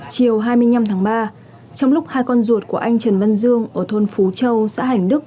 chiều hai mươi năm tháng ba trong lúc hai con ruột của anh trần vân dương ở thôn phú châu